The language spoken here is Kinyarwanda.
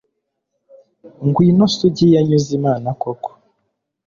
ngwino sugi yanyuze imana koko